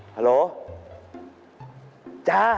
ฮัลโหล